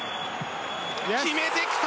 決めてきた！